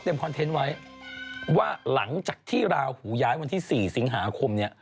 ที่เราเตรียมคอนเทนต์ไว้ว่าหลังจากที่ราวหูย้ายวันที่๔สิงหาคมเนี่ย